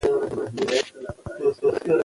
ماشومان د مینې په فضا کې ښه وده کوي